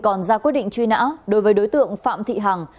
còn ra quyết định truy nã đối với đối tượng phạm thị hằng